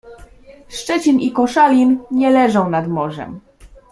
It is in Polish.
Szczecin i Koszalin nie leżą nad morzem.